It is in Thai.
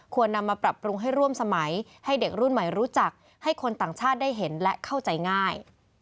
นำมาปรับปรุงให้ร่วมสมัยให้เด็กรุ่นใหม่รู้จักให้คนต่างชาติได้เห็นและเข้าใจง่าย